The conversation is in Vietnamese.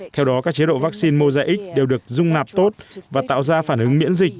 theo đó các chế độ vaccine mozax đều được dung nạp tốt và tạo ra phản ứng miễn dịch